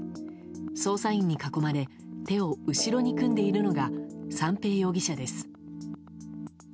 捜査員に囲まれ手を後ろに組んでいるのが三瓶容疑者です。